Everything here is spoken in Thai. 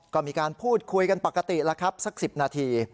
ก็มีการพูดคุยกันปกติแล้วครับสัก๑๐นาที